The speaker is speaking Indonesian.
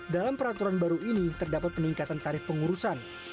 dalam peraturan baru ini terdapat peningkatan tarif pengurusan